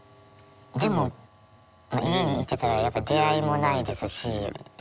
でも家にいてたらやっぱ出会いもないですし。